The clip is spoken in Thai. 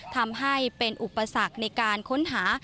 ทำให้เป็นอุปสรรคในการค้นหา